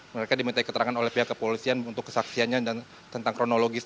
mereka diminta keterangan oleh pihak kepolisian untuk kesaksiannya dan tentang kronologis